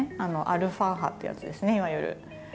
アルファ波ってやつですねいわゆる。